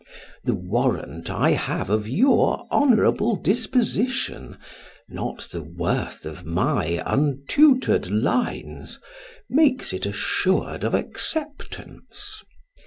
The warrant I have of your honourable disposition, not the worth of my untutored lines, makes it assured of acceptance.